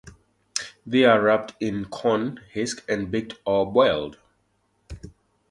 They are wrapped in corn husks and baked or boiled.